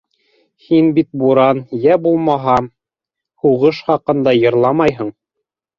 Һин бит буран, йә булмаһа... һуғыш хаҡында йырламайһың!